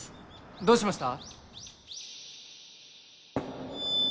・どうしました？